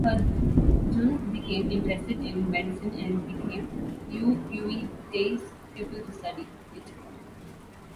Hur Jun became interested in medicine and became Yoo Ui-tae's pupil to study it.